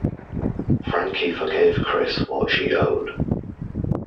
Frankie forgave Chris what she owed.